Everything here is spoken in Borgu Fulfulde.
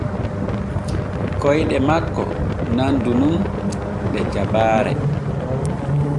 Koyɗe makko nandu nun ɗe jabaare.